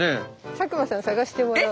佐久間さん探してもらおう。